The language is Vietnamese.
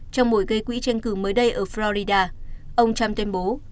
trong buổi gây quỹ tranh cử mới đây ở florida ông trump tuyên bố